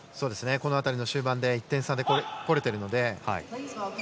この辺りの終盤で１点差で来れてるので。